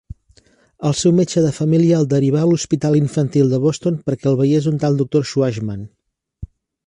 El seu metge de família el derivà a l'hospital infantil de Boston perquè el veiés un tal Doctor Shwachman.